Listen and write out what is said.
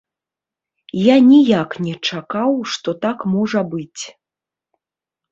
Я ніяк не чакаў, што так можа быць!